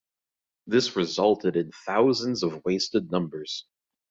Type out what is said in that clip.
This resulted in thousands of wasted numbers.